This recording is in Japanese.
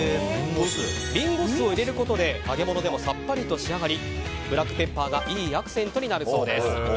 リンゴ酢を入れることで揚げ物でもさっぱりと仕上がりブラックペッパーがいいアクセントになるそうです。